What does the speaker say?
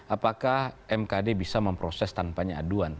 apakah mkd bisa memproses tanpanya aduan